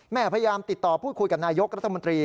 พยายามติดต่อพูดคุยกับนายกรัฐมนตรี